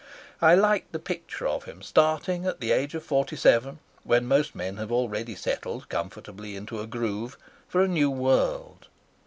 I liked the picture of him starting at the age of forty seven, when most men have already settled comfortably in a groove, for a new world.